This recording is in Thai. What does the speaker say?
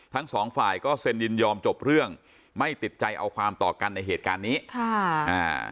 ทั้งสองฝ่ายก็เซ็นยินยอมจบเรื่องไม่ติดใจเอาความต่อกันในเหตุการณ์นี้ค่ะอ่า